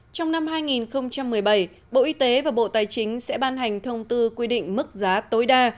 trong năm hai nghìn một mươi bảy bộ y tế và bộ tài chính sẽ ban hành thông tư quy định mức giá tối đa